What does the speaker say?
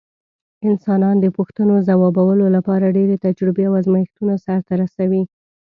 انسانان د پوښتنو ځوابولو لپاره ډېرې تجربې او ازمېښتونه سرته رسوي.